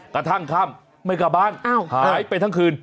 กระทั่งค่ำไม่กลับบ้านหายไปทั้งคืน